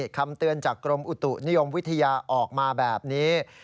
คำเตือนจากกรมอุตุนิยมวิทยาออกมาแบบนี้